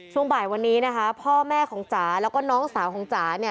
ช่วงบ่ายวันนี้นะคะพ่อแม่ของจ๋าแล้วก็น้องสาวของจ๋าเนี่ย